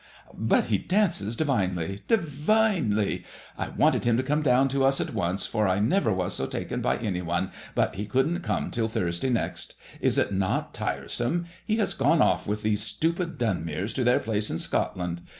But he dances divinely, divinely I I wanted him to come down to us at once, for I never was so taken by any one, but he couldn't come till Thursday next Is it not tiresome ? He has gone oflf with these stupid Dunmeres to their place in Scotland.